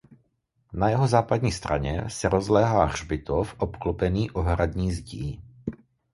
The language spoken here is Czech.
Na jeho západní straně se rozkládá hřbitov obklopený ohradní zdí.